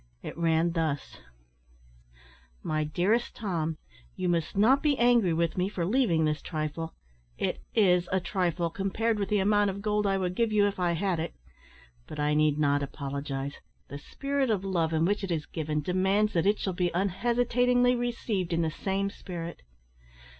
It ran thus: "My Dearest Tom, You must not be angry with me for leaving this trifle it is a trifle compared with the amount of gold I would give you if I had it. But I need not apologise; the spirit of love in which it is given demands that it shall be unhesitatingly received in the same spirit.